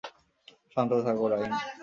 শান্ত থাকো, রাইম।